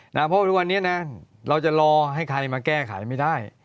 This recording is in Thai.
เพราะว่าทุกวันนี้นะเราจะรอให้ใครมาแก้ไขไม่ได้